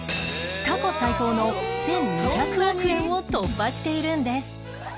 過去最高の１２００億円を突破しているんです